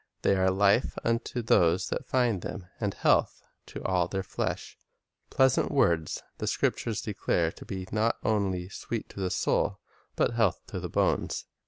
"They are life unto those that find them, and health to all their flesh." " Pleas ant words" the Scriptures declare to be not only "sweet to the soul," but "health to the bones."